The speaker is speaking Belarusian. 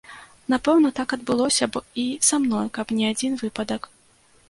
Напэўна, так адбылося б і са мной, каб не адзін выпадак.